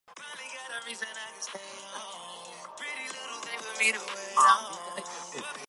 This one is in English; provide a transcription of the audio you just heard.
Wildlife, vandals and the harsh weather were taking their toll.